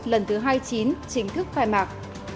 lần thứ hai mươi chín chính thức khai mạc